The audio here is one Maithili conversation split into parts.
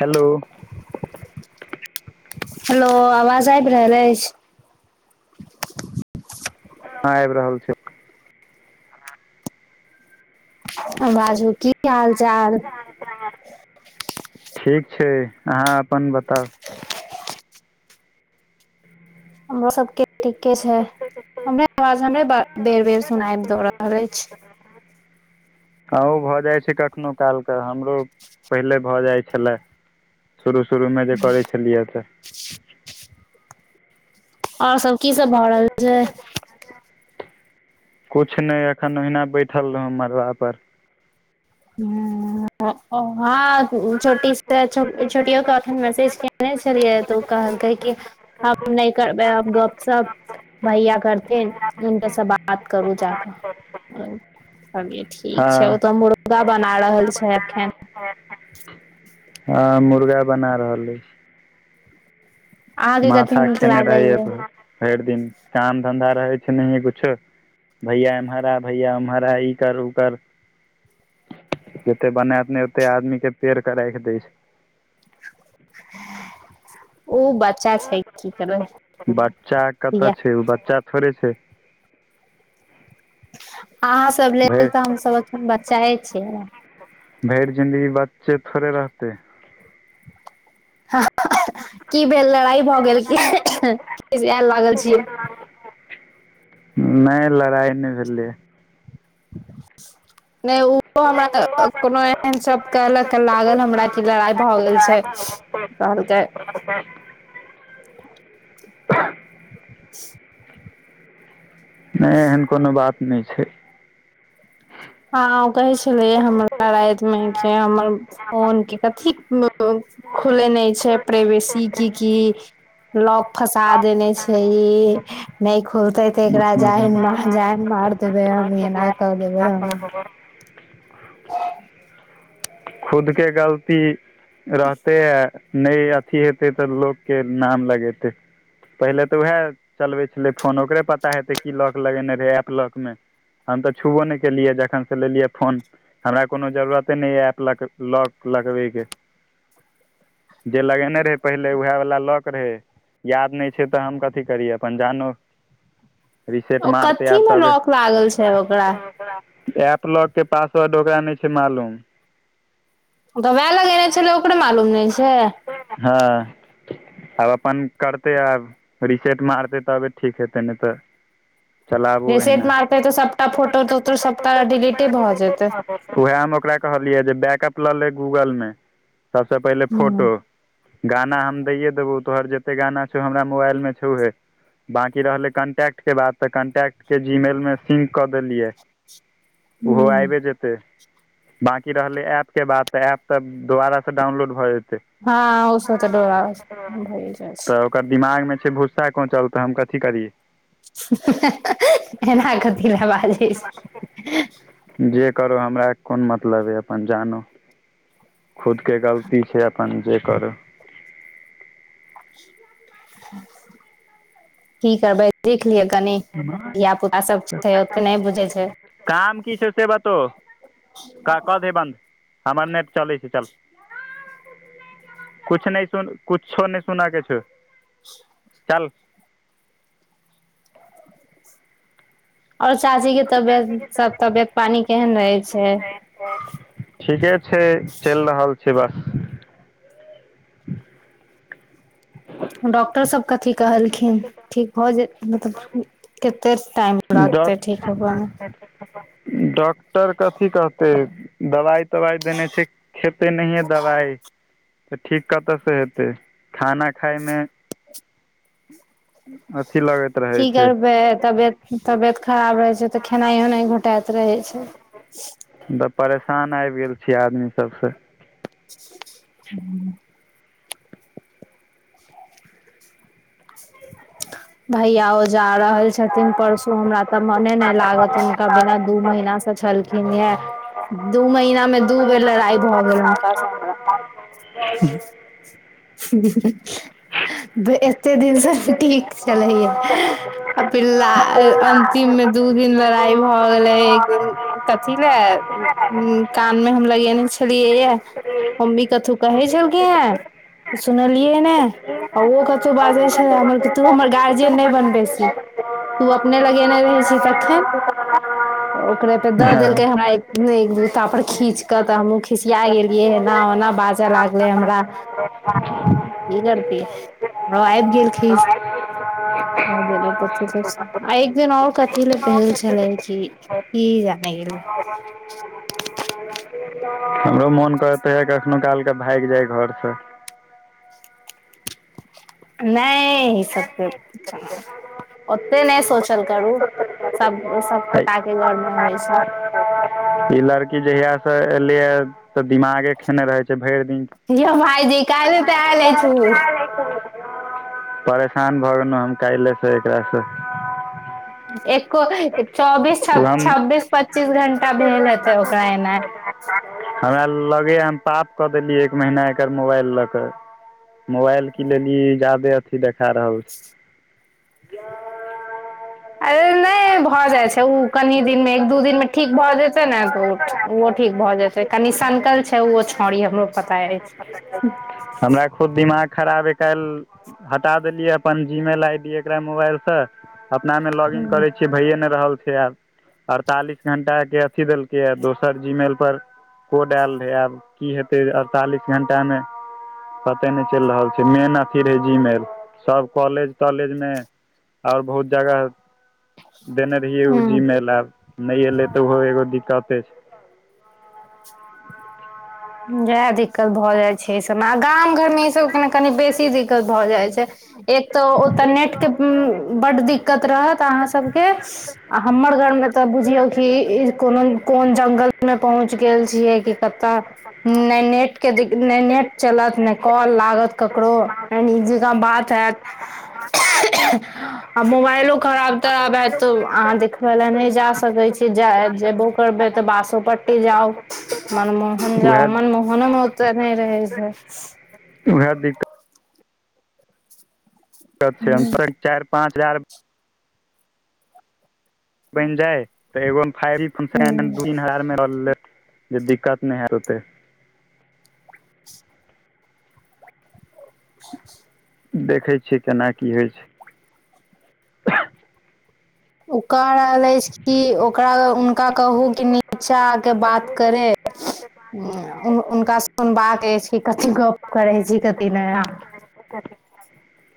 हेलो हेलो आवाज आबि रहल अछि हँ आबि रहल छै बाजू की हाल चाल ठीक छै आंहाँ अपन बताउ [inaudible] हमरो सबके ठीके छै हमरे आवाज हमरे बेर बेर सुनाब द रहल अछि हँ ओ भऽ जाइ छै कखनो काल क हमरो पहिले भऽ जाइ छेला शुरू शुरूमे जे करै छलियै तऽ आओर सब की सब भऽ रहल छै कुछ नै एखन ओहिना बैठल रहौ मड़बा पर ह ह ओ हा छोटी से छोटियो कहकै मैसेज के- -ने छललियै तो उ कहलकै कि हम नै करबै अब गप सप भैया करथिन उनके स बात बात करू जा क कहलियै ठीक हँ छै ओ त हमरो बना रहल छै एखन? हँ [inaudible] ह, मुर्गा बना रहल अछि अहाँके कथी माथा नीक खेने रहैय लागैया भरि दिन काम धन्धा रहै छै नहिेये कुछो, भैया एम्हर आ भैया उम्हर आ, ई कर उ कर। जते बनात ने ओते आदमी के पेड़ के राखि देै छै। उ बा बच्चा धिया कतऽ छै ओ बच्चा? थोरे छै अहाँ सब लेल भरि तऽ हमसभ अखन बच्चाए छियै। भैर जिंन्दगी बच्चे थोड़े रहते ह की भेल लड़ाई भऽ गेल की आयल लागल छी नै लड़ाई नै भेलै नै ओहो हमरा कोनो, एन सब कहलक, लागल हमरा कि लड़ाइ भए गेल छै, कहलकै। [inaudible] नै एहन कोनो बात नै छै। हँ, ओ कहे छलिये हमरा राईत मे के हमर फोन के कथी। खुले नै छै, प्रवेसी की कि लॉक फसा देने छै ई, नहि खुलतै। त एकरा जाइन उ जाध माइर देबे, हम एना क देबे ओना? खुद के गलती। रहते है, नै अथी हेतै तऽ लोकके नाम लगेतै पहिले तऽ उएह, चलबै छलै फोन ओकरे पता हेतै की लॉक लगेने रहै एप लॉकमे। हम तऽ छुबो नहि केलियै, जखन से लेलियै फोन। हमरा कोनो जरूरते नै य एप लॉग लगबै के। जे लगेने रहे पहिले, उएह वालला लॉक रहे। याद नै छै तऽ हम कथी करिय अपन जानो। रिसेट ओ कथी मे लॉक किया लागल छै ओकरा। ओकरा? एप लॉक के पासवर्ड ओकरा नै छै मालूम। त वेह लगेने छेलै, ओकरे मालूम नै छै। हँ, आब अपन करतै। आब, रिसेट मारतै तबे ठीक हेतै। त नै तऽ। चलाबू एहिना रिसेट मारतै तऽ, सबटा फोटो तोटो सबटा डिलीटे भऽ जेतै। उएह हम ओकरा कहलियै जे बैकअप लऽ ले गूगलमे, सबसँ पहिले हूँ फोटो। गाना हम दैए देबौ तोहर जते गाना छौ हमरा मोबाइलमे छौहे की रहलै कॉन्टैक्टके बात तऽ कन्टैक्टके जीमेलमे सिंक कऽ देलियै। ओहो! हूँ आइबे जे -तै बाकी रहलै ऐप के बात तऽ ऐप तऽ, दुबारा से डाउनलोड भऽ जेतै। हँ औ सब तऽ डोरा भै जा छै। तऽ ओकर दिमागमे छै भुस्सा कोचल तऽ हम कथी करियै? एना कति नऽ बाज! जे करो, हमरा कोन मतलब यऽ अपन जानो। खुदके गलती छै, अपन जे करू। की कहबै। देख लियै कनी, धियापुता सब छै, ओतेक नहि बुझै छै। काम की छै, से बताो? का कऽ देे बन्द, हमर नेट चलै छै, चल। किछु नहि सुन, कुछो नहि सुना कऽ छो, चल। और चाची कऽ तबियत, सब तबियत पानी केहन रहे छै? ठीके छै चलि रहल छै बस डॉक्टर सब कथी कहलखिन ठीक भ जे मतलब कते टाइम डॉ लगते ठीक होबमे डॉक्टर कथी कहतै दवाइ तवाइ देने छै खेते नहि दबाइ तऽ ठीक कतऽसँ हेतै खाना खाइमे अथि लागत की करबै तबियत तबियत खराब रहे छै तऽ खेनाइ उनाई घोटाइत रहै छै [unintelligible] हम तऽ परेशान आबि गेल छीियै आदमी सबसँ [unintelligible] भईया आओ जा रहल छथिन परसू हमरा तऽ मने नहि लागत हुनका बिना दू महीना से छलखिन ये दू महिीना मे दू बेर लड़ाइ भऽ गेल हुनकास सऽ हमरा [unintelligible] एतेक दिनसँ ठीक छलैय फिर ला अन्तिम मे दू दिन लड़ाइ भऽ गेलै एक दिन कथी लए कान मऽ हम लगेने छलियै य मम्मी कथू कहे झलखिन हैं सुनलियै ने आ ओ कतहु बाजै छै हमर तू हमर गजियन ने बन बेसी तु अपने लगेने रहे छिही तखेन ओकरे पे दऽ देलकै हमरा एक दूता पर खींच कऽ तऽ हमहूँ खिसिया गेलियै एना ओना बाजय लागलै हमरा [unintelligible] की करतीए हमरो ऐब गेल खीस [unintelligible] द आ एक दिन आओर कथी लए भेल छलै कि किया नऽ गेलए [unintelligible] हमरो मन कहते है कखनो काल के भागि जाय घर सऽ नहि ई सबके ओते नहि सोचल करू सब सब गोटा कऽ घर मे हो छै ई लड़की जहिया से एलिय ह तऽ दिमागे खेने रहे छै भरि दिन यो भाइजी कायले तऽ अल ऐछ उऽ परेशान भऽ गेलहुँ हम काल्हिेसँ एकरासँ एको चौबीस हम छब्बीस पच्चीस घं्टा भेल हेतै ओकरा एना हमरा लगे हम पाप कऽ देलीै एक महीना एकर मोबाइल लऽ कऽ मोबाइल कि लेलए ई जादे अथी देखा रहल छै [unintelligible] अरे नहि भऽ जाइ छै ओ कनि दिनमे एक दू दिनमे ठीक भऽ जेतै नऽ तऽ ओ ओहो ठीक भऽ जेतै कनि सकल छै ओहो छाँड़ी हमरो पता अछि हमरा खुद दिमाग खराब यऽ काईल हटा देलियै अपन जी मेल आइ डी एकरा मोबाइलसँ अपना मऽ लॉगिन करै छियै भैए नहि रहल छै आब अड़तालीस घं्टााक के अथी देलकैए दोसर जीमेल पर कोड आयल रहै आब की हेतै अड़तालीस घं्टामे पते नहि चलि रहल छै मेन अथि रहै जीमेल सब कालेज तालेज मे और बहुत जगह देने रहियै ओ हूँ जीमेल आब नहि एलै तऽ ओहो एगो दिक्कते छै जएह दिक्कत भऽ जाइ छै एहिसभमे आ गाम घरमे ईसभके ने कनि बेसी दिक्कत भऽ जाइ छै एक तऽ ओतऽ नेट कऽ बड दिक्कत रहत अहाँ सबके आ हमर घर मे त बुझियौ कि इ कोनो कोन जंगल में पहुंच गेल छियै कि अतय, नहि नेट के, नहि नेट चलत नहि कॉल लागत ककरो ने नीक जेकां बात हयत। आ मोबाइलो खराब तराब हैत त अहां देख देखै ले नहि जा सकै छी जा जेबो करबै त बासोपट्टी जाउ, मनमे छै जा उएह मनमोहनो मे ओते नहि रहै छै वैह दिक्कत कत छै हम स्वयं चारि पांच बार बनि जाय त एगो फाइव जी हूँ फंक्शन दू तीन हजारमे ल लेत जे दिक्कत नहि होइत ओतै देखै छियै केना की होइ छै ओ कह रहल अछि कि ओकरा, हुनका कहु कि निचा आके बात करे हुं हुनका सुनबाक अछि कि कथि गप करैत छी कथि नै अहां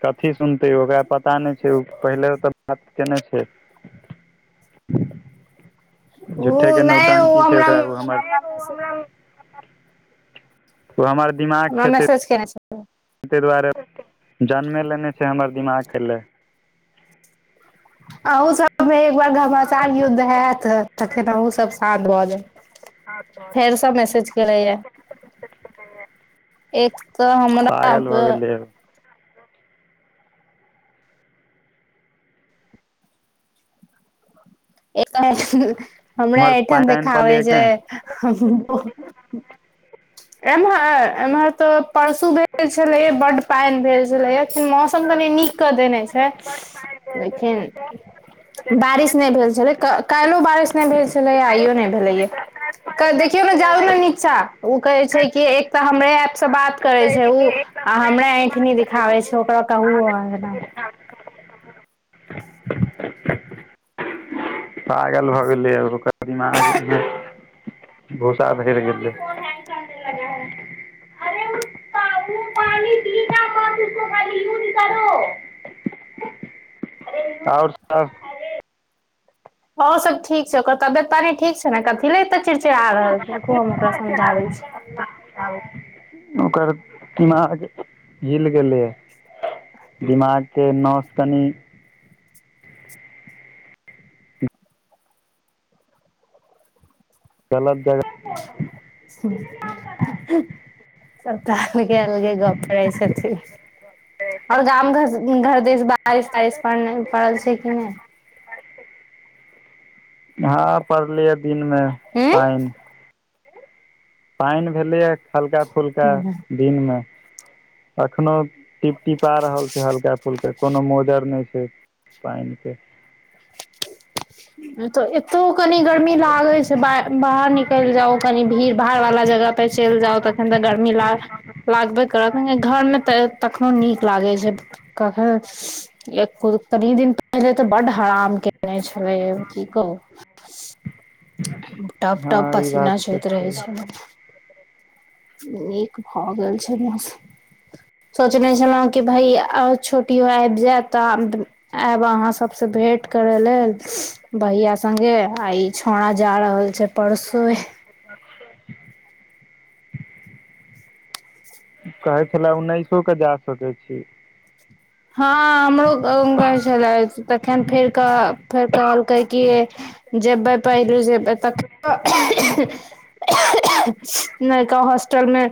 कथी सुनतै ओकरा पता नहि छै ओ पहिलौ त बात केने छै झुठे ओ के नहि ओ नौटंकी छै हमरा ओकरा एगो हमर हमरा मैसेज ओ हमर दिमाग हमरा खेतै मैसेज केने छै तै दुआरे जनमे लेने छै हमर दिमाग खाइ ले अहुं सबमे एक बार घमाासार युद्ध हयत तखैन अहुं सब शान्त भ जायब। फेर सब मेसेज भेलैये, एक त हमरा और पागल भऽ के गेलै एतै, हमरा उम्हर पानि एहिठाम तानि देखाबै पड़लै कि छै, नहि हमहु एमहर, एमहर त परसु भेल छलैये बड्ड पानि भेल छलैये मौसम कनि नीक कऽ देने छै, लेकिन बारिस नै भेल छलै, काल्हियो बारिस नहि भेल छलैये आइयो नहि भेलैये। कनि देखियौ नऽ जाउ नऽ निचा कहे छै कि एक तऽ हमरे ऐप सऽ बात करे छै उ आ हमरे ऐठनी दिखाबै छै। ओकरा त ओहो आबै ह ने पागल भ गेलैये, ओकरा दिमाग भूसा भरि गेलैये [unintelligible] अरे उत्तर। [inaudible] और सभ और सभ ठीक छै ओकर तबियत टा नै ठीक छै कथि ले एते चिड़चिड़ा रहल छी देखियौ हम ओकरा समझाबै छै ओकर दिमाग हिल गेलैये। दिमाग के नस कनि गलत जगह। हूँ हूँ सभ त अलगे अलगे गप करै छथिन, और गाम घर घर दिस बारिस तारिस पड़ल छै कि नहि। हा, पड़लैये दिनमे पाइन पानि भेलैये हलका फुलका उंम्म दिनमे, एखनो टिपटिपा रहल छै हलका फुलका, कोनो मोजर नहि छै पानि के। त एतौ कनी गर्मी लागै छै, बाहर निकलि जाउ। कनी भीड़ भाड़ वला जगह पर चलि जाउ तखन त गर्मी लाग। लागबे करत ने, घर मे त तखनो नीक। लागे छै कखैन, कनी दिन पहिने त बड हरान के जने छल कि कह टप टप हँ ई पसीना बात तऽ होइत रहै छै। नीक भऽ गेल छल। सोचने छलहुँ कि भई छोटियो आबि जाय तऽ। आयब अहाँ सभसँ भेट करे लेल भहिया स्गे आ ई छोड़ा जा रहल छै परसो। अच्छा कहै छले उन्नैसो के जा सकै छी। हँ हमरो गर छलै तखन फेर कह फेर कहलकै कऽ जेबै पहिलु जेबै त नहि कह हॉस्टल मे।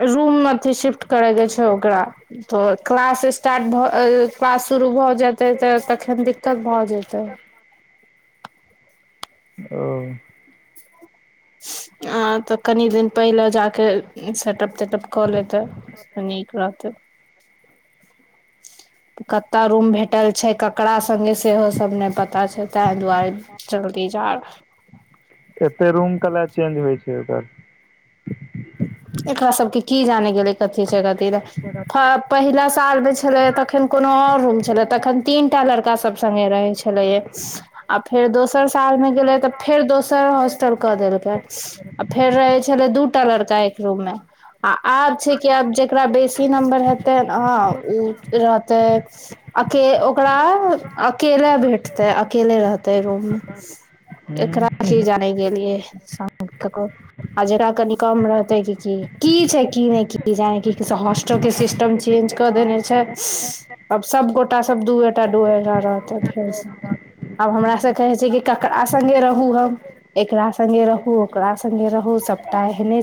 रूम मे अथी शिफ्ट करे के छै ओकरा तो क्लास। स्टार्ट भऽ पास शुरू भऽ जेतै तऽ तखन दिक्कत भऽ जेतै। ओ। आ तऽ कनि दिन पहिले जा कऽ सेटअप तेटप कऽ लेतै। अनेक बातै कतय रूम भेटल छै ककरा संघे सेहो सभ नहि पता छै ताहि दुआरे चल्दी जा रहल। एते रूम कल चेज होइ छै ओकर एकरा सभके की जाने गेलै कथी छै कथी पहिला साल मे छले तखन कोनो और रूम छले तखन तीन टा लड़का सभ संगे रहे छै आ फेर दोसर सालमे गेलै तऽ फेर दोसर हॉस्टल कऽ देलकै। आ फेर रहै छलै दूटा लड़का एक रूम मे आ आब छै कि आब जेकरा बेसी नम्बर हेतै ह ओ रहतै। अ ओकरा अकेले भेटतै अकेले रहतै रूम मे एकरा ओकर जाने गेल लिए ककरो आ जकरा कनि कम रहते की की की छै की ने की जान क से हॉस्टल के सिस्टम चेज देने छै ह। आब सभ गोटा सभ दूएटा डोहेटा रहतै फेर से आब हमरा से कहै छै कि ककरा संघे रहू हम एकरा संघगे रहू ओकरा संघगे रहु सभटा एहने छै